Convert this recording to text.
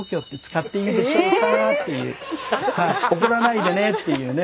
怒らないでねっていうね。